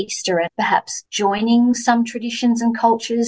dan mungkin menunjukkan beberapa tradisi dan kultur